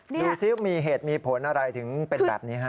ดูสิมีเหตุมีผลอะไรถึงเป็นแบบนี้ฮะ